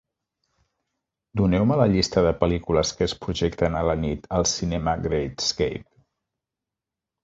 Doneu-me la llista de pel·lícules que es projecten a la nit al cinema Great Escape.